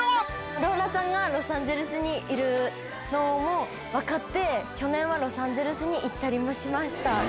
ローラさんがロサンゼルスにいるのも分かって、去年はロサンゼルスに行ったりもしました。